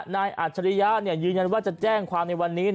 อัจฉริยะยืนยันว่าจะแจ้งความในวันนี้